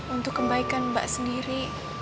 untuk kebaikan mbak sendiri